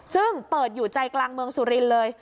ซึ่งเปิดอยู่ใจกลางเมืองสุรินทร์เลย